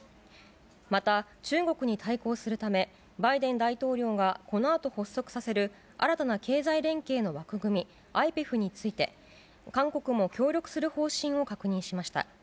また、中国に対抗するため、バイデン大統領はこのあと発足させる、新たな経済連携の枠組み、ＩＰＥＦについて、韓国も協力する方針を確認しました。